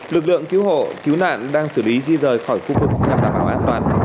lực lượng cứu hộ cứu nạn đang xử lý di rời khỏi khu vực nhằm đảm bảo an toàn